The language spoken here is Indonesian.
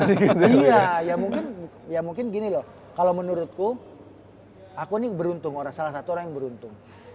iya ya mungkin ya mungkin gini loh kalo menurutku aku ini beruntung salah satu orang yang beruntung